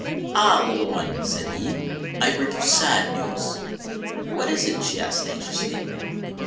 " Ah ! little one," said he, " I bring you sad news." " What is it ?" she asked anxiously.